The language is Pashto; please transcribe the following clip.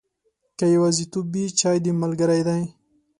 که یوازیتوب وي، چای دې ملګری دی.